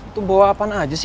itu bawa apaan aja